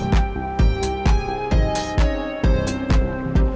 bakal terbang kau artistnya